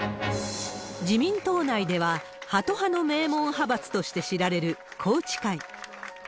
自民党内では、ハト派の名門派閥として知られる宏池会。